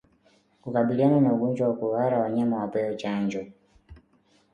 Kukabiliana na ugonjwa wa kuhara wanyama wapewe chanjo